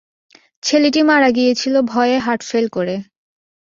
ছেলেটি মারা গিয়েছিল ভয়ে হার্টফেল করে।